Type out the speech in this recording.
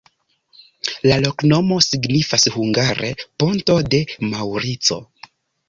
La loknomo signifas hungare: ponto de Maŭrico.